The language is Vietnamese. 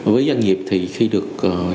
với doanh nghiệp thì khi được